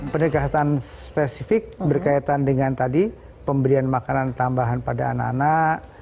pendekatan spesifik berkaitan dengan tadi pemberian makanan tambahan pada anak anak